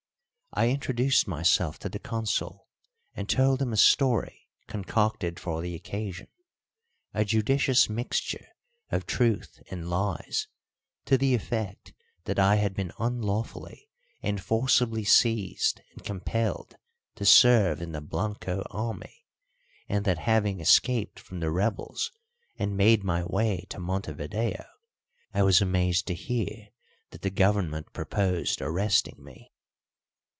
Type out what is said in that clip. I introduced myself to the Consul, and told him a story concocted for the occasion, a judicious mixture of truth and lies, to the effect that I had been unlawfully and forcibly seized and compelled to serve in the Blanco army, and that, having escaped from the rebels and made my way to Montevideo, I was amazed to hear that the government proposed arresting me.